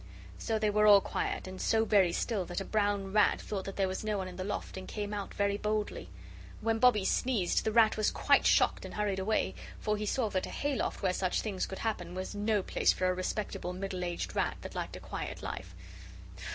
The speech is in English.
So they were all quiet and so very still that a brown rat thought that there was no one in the loft and came out very boldly. When Bobbie sneezed, the rat was quite shocked and hurried away, for he saw that a hay loft where such things could happen was no place for a respectable middle aged rat that liked a quiet life.